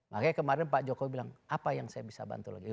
makanya kemarin pak jokowi bilang apa yang saya bisa bantu lagi